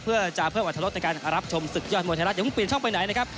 เพื่อจะเพิ่มอัตรรสในการรับชมศึกยอดมวยไทยรัฐอย่าเพิ่งเปลี่ยนช่องไปไหนนะครับ